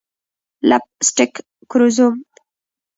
لپ سټک ګرزوم